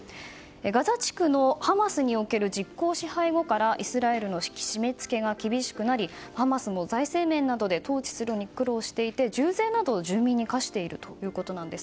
ガザ地区のハマスにおける実効支配後からイスラエルの締め付けが厳しくなりハマスも財政面などで統治するのに苦労しているので重税などを住民に課しているそうです。